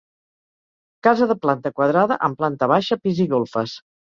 Casa de planta quadrada amb planta baixa, pis i golfes.